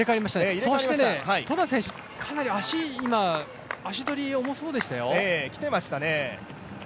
そしてトラ選手、かなり足取り重そうでしたよ。